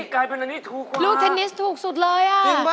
ก็ได้เลย